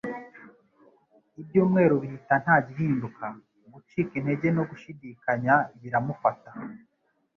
Ibyumweru bihita nta gihinduka, gucika intege no gushidikanya biramufata.